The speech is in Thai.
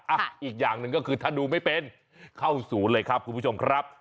อ่ะอีกอย่างหนึ่งก็คือถ้าดูไม่เป็นเข้าศูนย์เลยครับคุณผู้ชมครับ